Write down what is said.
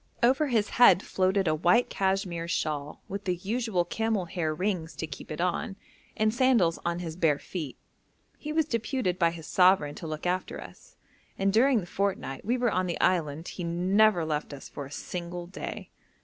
Over his head floated a white cashmere shawl, with the usual camel hair rings to keep it on, and sandals on his bare feet. He was deputed by his sovereign to look after us, and during the fortnight we were on the island he never left us for a single day.